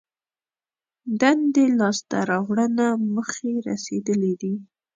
دندې لاس ته راوړنه موخې رسېدلي دي.